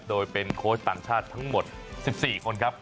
โดยเป็นโค้ชต่างชาติทั้งหมด๑๔คนครับ